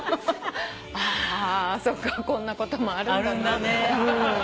あそっかこんなこともあるんだなって。